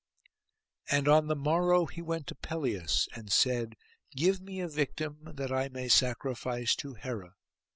And on the morrow he went to Pelias, and said, 'Give me a victim, that I may sacrifice to Hera.